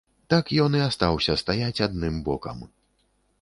Так ён і астаўся стаяць адным бокам.